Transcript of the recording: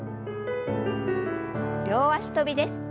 両脚跳びです。